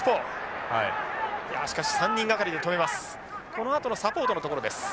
このあとのサポートのところです。